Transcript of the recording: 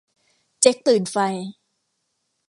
เจ๊กตื่นไฟ